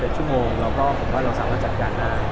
ชั่วโมงเราก็ผมว่าเราสามารถจัดการได้